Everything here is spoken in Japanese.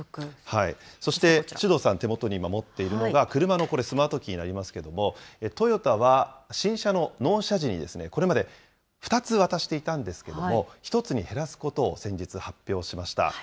そして首藤さん、手元に今持っているのが、車のスマートキーになりますけれども、トヨタは新車の納車時に、これまで２つ渡していたんですけれども、１つに減らすことを先日、発表しました。